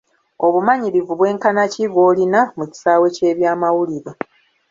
Obumanyirivu bwenkana ki bw'olina mu kisaawe ky'eby'amawulire?